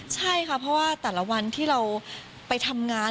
ใช่ค่ะเพราะว่าแต่ละวันที่เราไปทำงาน